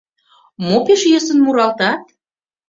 Мо пеш йӧсын муралтат?